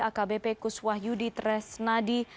akbp kuswah yudi tresnadi